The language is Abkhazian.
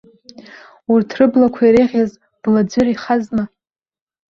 Урҭ рыблақәа иреиӷьыз бла ӡәыр ихазма?!